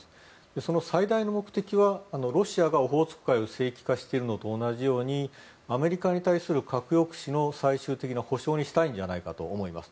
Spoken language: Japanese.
その最大の目的はロシアがオホーツク海を聖域化しているのと同じようにアメリカに対する核抑止の最終的な保障にしたいんじゃないかと思います。